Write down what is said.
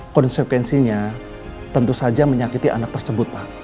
konsekuensinya tentu saja menyakiti anak tersebut pak